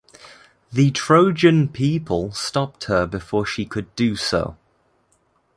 The Trojan people stopped her before she could do so.